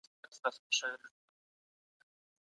اسلام د ژوند په ټولو برخو کي لارښوونه کوي.